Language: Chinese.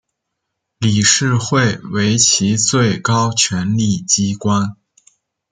理事会为其最高权力机关。